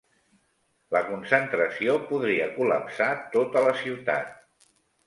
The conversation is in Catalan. La concentració podria col·lapsar tota la ciutat